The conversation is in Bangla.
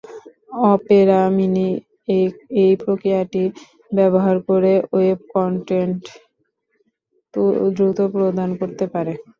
অপেরা মিনি এই প্রক্রিয়াটি ব্যবহার করে ওয়েব কন্টেন্ট দ্রুত প্রদান করতে পারে।